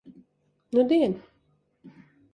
Nudien.